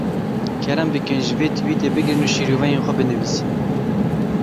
Kerem bikin ji vê twîtê bigirin û şîroveyên xwe binivîsin.